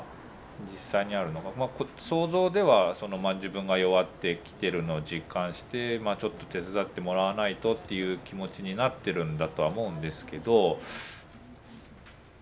まあ想像では自分が弱ってきてるのを実感して「ちょっと手伝ってもらわないと」っていう気持ちになってるんだとは思うんですけど。